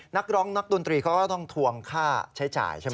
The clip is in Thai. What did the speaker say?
นักร้องนักดนตรีเขาก็ต้องทวงค่าใช้จ่ายใช่ไหม